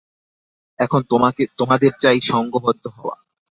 এখন তোমাদের চাই সঙ্ঘবদ্ধ হওয়া।